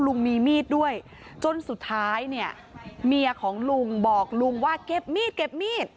ลุงมีมีดด้วยจนสุดท้ายเมียของลุงบอกลุงว่าเก็บมีด